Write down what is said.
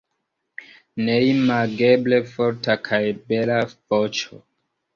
Neimageble forta kaj bela voĉo.